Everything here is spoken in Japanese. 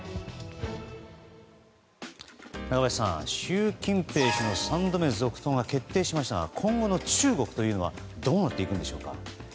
中林さん習近平氏の３度目の続投が決定しましたが今後の中国はどうなっていくんでしょうか。